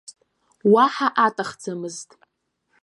Уаҳа аҭахӡамызт.